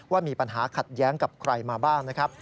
ว่ามีปัญหาขัดแย้งกับใครมาบ้างนะครับ